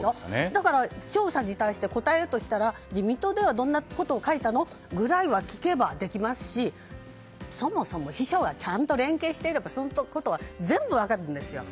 だから調査に対して答えようとしたら自民党ではどんなことを書いたの？ぐらいは聞けばできますしそもそも秘書がちゃんと連携していればそんなことは全部分かるんですよ。